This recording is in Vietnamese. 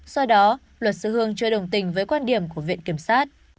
do đó luật sư hương chưa đồng tình với quan điểm của viện kiểm sát